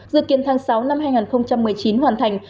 dự kiến tháng sáu năm hai nghìn một mươi chín hoàn thành